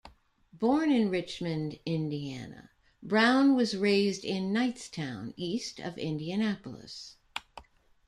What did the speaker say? Born in Richmond, Indiana, Brown was raised in Knightstown, east of Indianapolis.